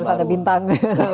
harus ada bintang